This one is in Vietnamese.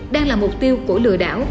đang là mục tiêu của lừa đảo